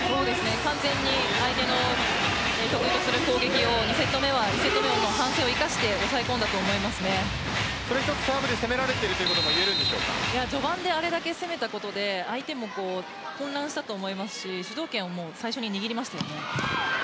完全に相手の得意とする攻撃を２セット目の反省を生かしてサーブで攻められているとも序盤であれだけ攻めたことで相手も混乱したと思いますし主導権を最初に握りましたよね。